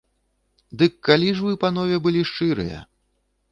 Дык калі ж вы, панове, былі шчырыя?